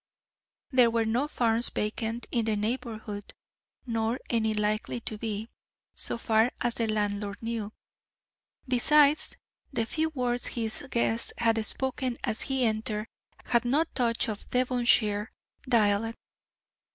There were no farms vacant in the neighbourhood, nor any likely to be, so far as the landlord knew; besides, the few words his guest had spoken as he entered had no touch of the Devonshire dialect.